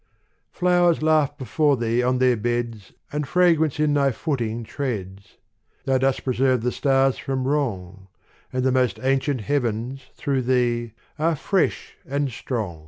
Flowers laugh before thee on their beds And fragrance in thy footing treads ; Thou dost preserve the Stars from wrong ; And the most ancient Heavens, through Thee, are fresh and strong.